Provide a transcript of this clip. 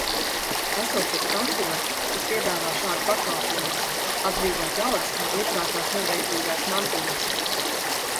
Esot pat kantori, kas piedāvā šādu pakalpojumu – atbrīvot ļaudis no iekrātās nevajadzīgās mantības.